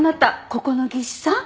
ここの技師さん？